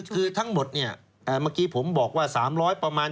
คือทั้งหมดเนี่ยเมื่อกี้ผมบอกว่า๓๐๐ประมาณ